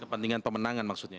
kepentingan pemenangan maksudnya